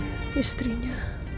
dan juga andin istrinya